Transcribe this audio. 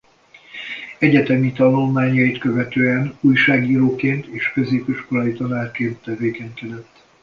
Egyetemi tanulmányait követően újságíróként és középiskolai tanárként tevékenykedett.